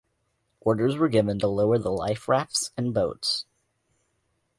Orders were given to lower the liferafts and boats.